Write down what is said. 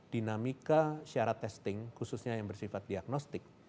dinamika syarat testing khususnya yang bersifat diagnostik